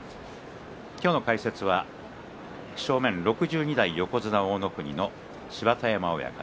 今日の解説は正面６２代横綱大乃国の芝田山親方。